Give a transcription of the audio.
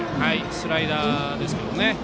スライダーですけどね。